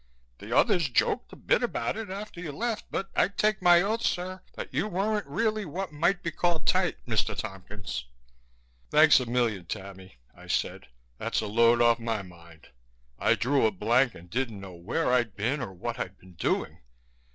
The others joked a bit about it after you left but I'd take my oath, sir, that you weren't really what might be called tight, Mr. Tompkins." "Thanks a million, Tammy," I said. "That's a load off my mind. I drew a blank and didn't know where I'd been or what I'd been doing.